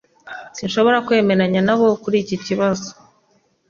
Sinshobora kwemeranya nabo kuri iki kibazo